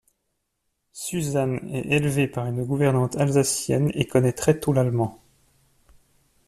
Suzanne est élevée par une gouvernante alsacienne et connaît très tôt l'allemand.